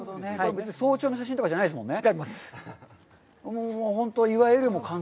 別に早朝の写真とかじゃないですもんね？